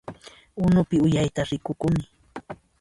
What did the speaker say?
Unupi uyayta rikurukuni